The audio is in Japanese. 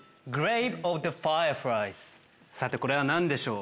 さてこれは何でしょう？